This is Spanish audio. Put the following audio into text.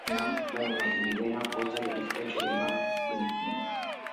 Ignace, situada en la ribera opuesta del estrecho de Mackinac.